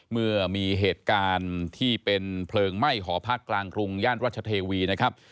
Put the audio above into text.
เมื่อมีเหตุการณ์ที่เป็นเพลิงไหม้หอพักกลางกรุงย่านรัชเทวีนะครับ